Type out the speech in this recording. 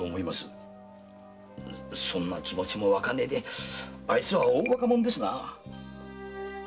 そんな気持ちもわからないであいつは大バカ者ですな。